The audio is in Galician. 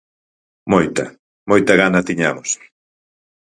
Moita, moita gana tiñamos.